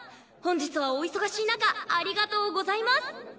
本日はお忙しい中ありがとうございます！